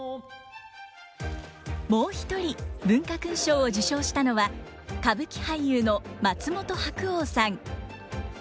もう一人文化勲章を受章したのは歌舞伎俳優の松本白鸚さん。